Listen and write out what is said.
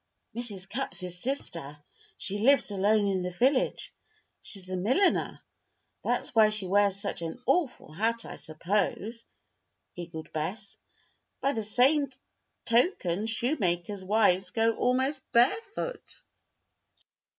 "Mrs. Cupp's sister. She lives alone in the village. She's a milliner. That's why she wears such an awful hat, I suppose," giggled Bess. "By the same token shoemakers' wives go almost barefoot."